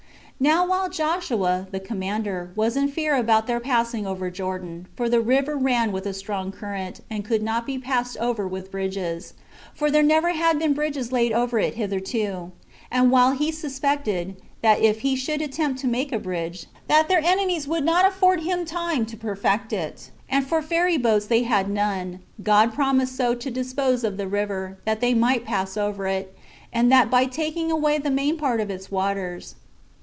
3. Now while Joshua, the commander, was in fear about their passing over Jordan, for the river ran with a strong current, and could not be passed over with bridges, for there never had been bridges laid over it hitherto; and while he suspected, that if he should attempt to make a bridge, that their enemies would not afford him time to perfect it, and for ferry boats they had none, God promised so to dispose of the river, that they might pass over it, and that by taking away the main part of its waters.